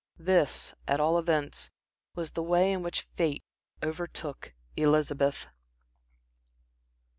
This, at all events, was the way in which fate overtook Elizabeth.